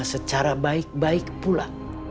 secara baik baik pula